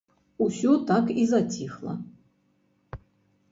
Усё так і заціхла.